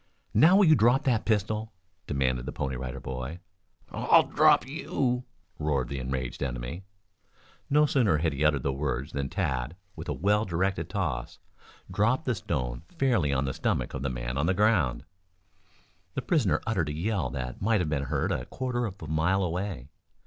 "Now will you drop that pistol?" demanded the Pony Rider Boy. "I'll drop you!" roared the enraged enemy. No sooner had he uttered the words than Tad, with a well directed toss, dropped the stone fairly on the stomach of the man on the ground. The prisoner uttered a yell that might have been heard a quarter of a mile away.